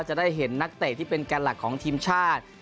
จะได้เห็นนักเตะที่เป็นแกนหลักของทีมชาติ